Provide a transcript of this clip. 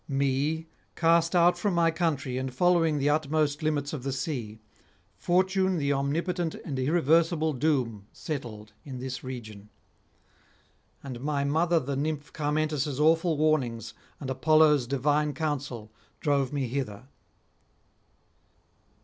Me, cast out from my country and following the utmost limits of the sea, Fortune the omnipotent and irreversible doom settled in this region; and my mother the Nymph Carmentis' awful warnings and Apollo's divine counsel drove me hither.'